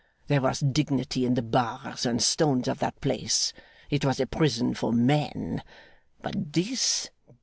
There was dignity in the bars and stones of that place. It was a prison for men. But this?